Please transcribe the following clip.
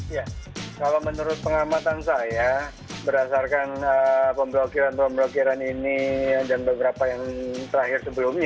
ya kalau menurut pengamatan saya berdasarkan pemblokiran pemblokiran ini dan beberapa yang terakhir sebelumnya